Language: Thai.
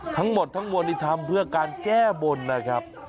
ทั้งหมดทั้งมวลนี้ทำเพื่อการแก้บนนะครับ